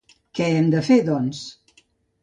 Què hem de fer, doncs?